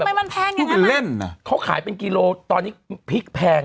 มันแพงอย่างงั้นไหมเขาไปเล่นอะเขาขายไกลกิโลตอนนี้พริกแพง